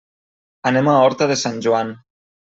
Anem a Horta de Sant Joan.